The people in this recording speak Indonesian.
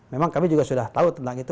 memang kami juga sudah tahu tentang itu